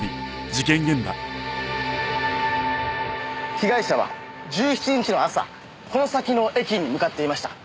被害者は１７日の朝この先の駅に向かっていました。